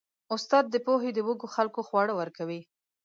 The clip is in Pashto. استاد د پوهې د وږو خلکو خواړه ورکوي.